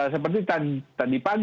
seperti tadi pagi